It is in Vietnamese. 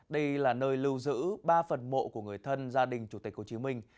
đây là nơi lưu giữ ba phần mộ của người thân gia đình chủ tịch hồ chí minh